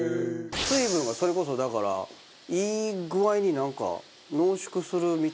水分がそれこそだからいい具合になんか濃縮するみたいで。